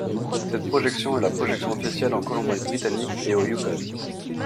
Cette projection est la projection officielle en Colombie-Britannique et au Yukon.